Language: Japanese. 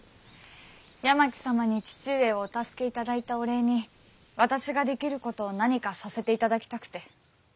八巻様に父上をお助けいただいたお礼に私ができることを何かさせていただきたくて。